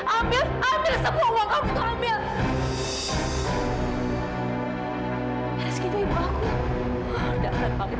amir amir amir semua uang kamu tolong amir